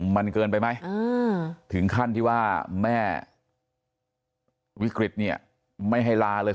มันเกินไปไหมถึงขั้นที่ว่าแม่วิกฤตเนี่ยไม่ให้ลาเลย